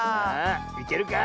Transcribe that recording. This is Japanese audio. いけるか？